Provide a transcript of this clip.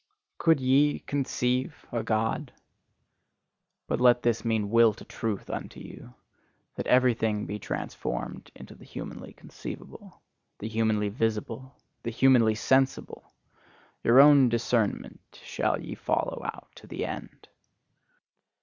Could ye CONCEIVE a God? But let this mean Will to Truth unto you, that everything be transformed into the humanly conceivable, the humanly visible, the humanly sensible! Your own discernment shall ye follow out to the end!